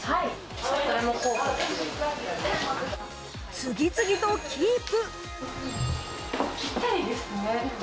次々とキープ。